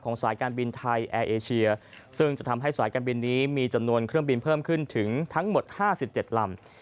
สายการบินไทยแอร์เอเชียซึ่งจะทำให้สายการบินนี้มีจำนวนเครื่องบินเพิ่มขึ้นถึงทั้งหมด๕๗ลำ